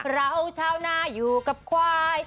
เราชาวนาอยู่กับควาย